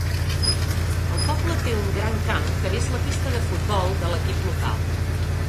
El poble té un gran camp que és la pista de futbol de l'equip local.